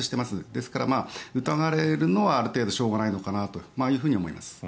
ですから、疑われるのはある程度しょうがないのかなと思います。